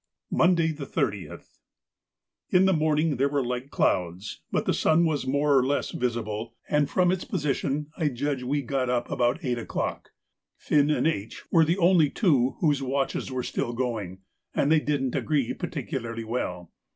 Monday, the 30th.—In the morning there were light clouds, but the sun was more or less visible, and from its position I judged that we got up at about eight o'clock. (Finn and H. were the only two whose watches were still going, and they didn't agree particularly well.)